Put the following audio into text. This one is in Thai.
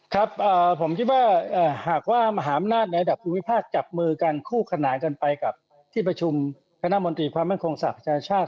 ครับผมคิดว่าหากว่ามหาอำนาจในระดับภูมิภาคจับมือกันคู่ขนานกันไปกับที่ประชุมคณะมนตรีความมั่นคงสหประชาชาติ